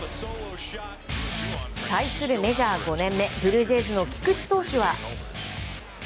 対するメジャー５年目ブルージェイズの菊池投手は。